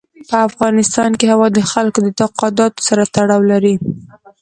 په افغانستان کې هوا د خلکو د اعتقاداتو سره تړاو لري.